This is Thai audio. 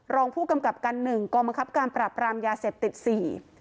รองผู้กำกับการหนึ่งกองบังคับการปรับรามยาเสพติดสี่